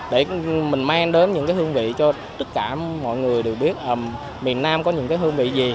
để mình mang đến những hương vị cho tất cả mọi người đều biết miền nam có những cái hương vị gì